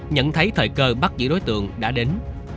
nhận thấy thời cơ bắt giữ đối tượng đã đến